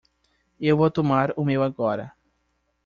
Eu vou tomar o meu agora.